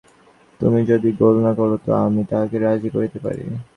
তুমি যদি গোল না কর তো আমি তাহাকে রাজি করিতে পারি।